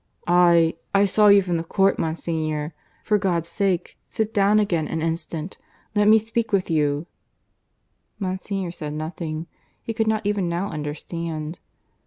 "I ... I saw you from the court, Monsignor. For God's sake ... sit down again an instant. Let me speak with you." Monsignor said nothing. He could not even now understand.